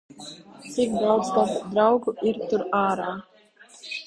Cik daudz tavu draugu ir tur ārā?